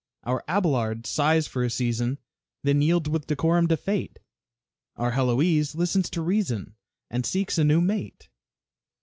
Our Abelard sighs for a season, Then yields with decorum to fate. Our Heloise listens to reason, And seeks a new mate.